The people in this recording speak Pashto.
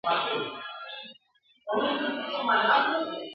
همېشه رڼې اوبه پکښي بهاندي ..